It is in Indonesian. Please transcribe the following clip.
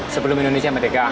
sebelum indonesia merdeka